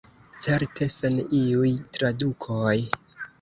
Certe sen iuj tradukoj.